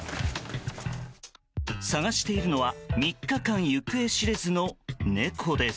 捜しているのは３日間行方知れずの猫です。